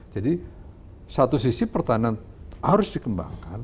jadi satu sisi pertanian harus dikembangkan